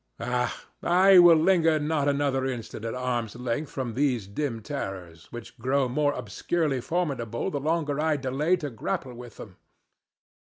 Pshaw! I will linger not another instant at arm's length from these dim terrors, which grow more obscurely formidable the longer I delay to grapple with them.